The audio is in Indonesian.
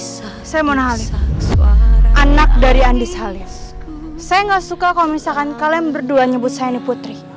saya mona halim anak dari andis halim saya nggak suka kalau misalkan kalian berdua nyebut saya putri